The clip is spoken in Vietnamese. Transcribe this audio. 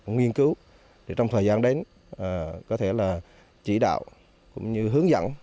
cũng nghiên cứu để trong thời gian đến có thể là chỉ đạo cũng như hướng dẫn